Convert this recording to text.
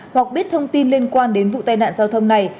hoặc biết thông tin liên quan đến vụ tai nạn giao thông này